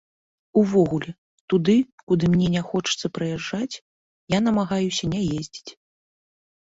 Увогуле, туды, куды мне не хочацца прыязджаць, я намагаюся не ездзіць.